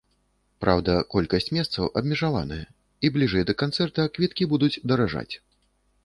Праўда, колькасць месцаў абмежаваная і бліжэй да канцэрта квіткі будуць даражаць.